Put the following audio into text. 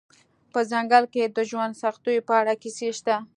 په ځنګل کې د ژوند سختیو په اړه کیسې شته